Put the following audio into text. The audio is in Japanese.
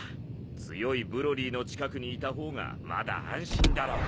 強いブロリーの近くにいた方がまだ安心だろう。